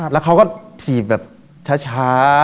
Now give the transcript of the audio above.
แล้วเขาก็ถีบแบบช้า